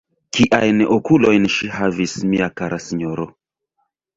Kiajn okulojn ŝi havis, mia kara sinjoro!